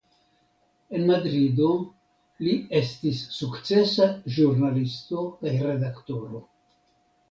En Madrido li estis sukcesa ĵurnalisto kaj redaktoro.